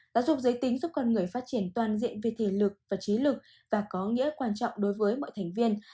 đã giúp giới tính giúp con người phát triển toàn diện về thể lực và trí lực và có nghĩa quan trọng đối với mọi thành viên